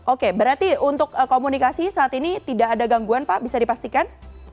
oke berarti untuk komunikasi saat ini tidak ada gangguan pak bisa dipastikan